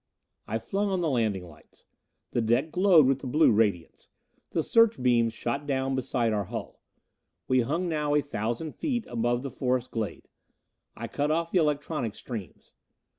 I flung on the landing lights; the deck glowed with the blue radiance; the search beams shot down beside our hull. We hung now a thousand feet above the forest glade. I cut off the electronic streams.